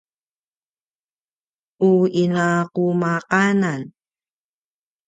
u ina qumaqanan